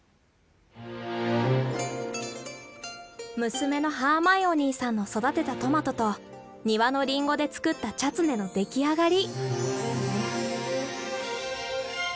娘のハーマイオニーさんの育てたトマトと庭のリンゴで作ったチャツネの出来上がり。